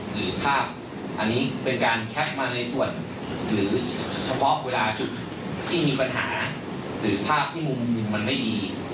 หรือภาพอันนี้เป็นการแชทมาในส่วนหรือเฉพาะเวลาจุดที่มีปัญหาหรือภาพที่มุมหนึ่งมันไม่มี